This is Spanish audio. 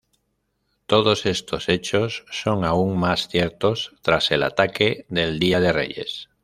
Todos estos hechos son aún más ciertos tras el ataque del Día de Reyes.